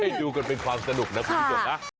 ให้ดูกันเป็นความสนุกนะครับ